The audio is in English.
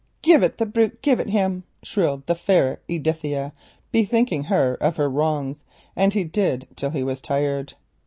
"Give it the brute, give it him," shrilled the fair Edithia, bethinking her of her wrongs, and he did till he was tired.